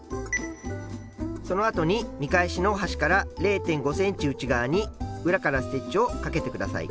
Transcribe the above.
そのあとに見返しの端から０．５ｃｍ内側に裏からステッチをかけてください。